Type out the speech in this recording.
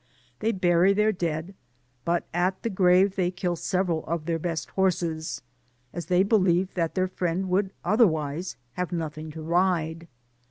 They bury their dead, but at the grave they kill several of their best horses, as they believe that their friend would otherwise have nothing to ride.